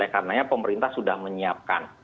karena pemerintah sudah menyiapkan